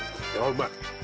うまい。